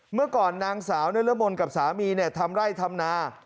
เมื่อก่อนนางสาวนิรมนต์กับสามีทำไร่ทำนา